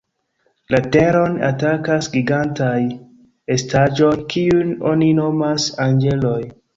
La Teron atakas gigantaj estaĵoj, kiujn oni nomas "Anĝeloj".